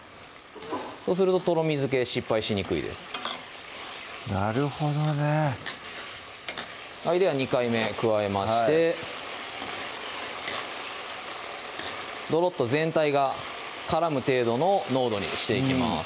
そうするととろみづけ失敗しにくいですなるほどねでは２回目加えましてどろっと全体が絡む程度の濃度にしていきます